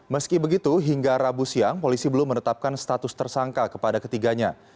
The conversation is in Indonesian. meski begitu hingga rabu siang polisi belum menetapkan status tersangka kepada ketiganya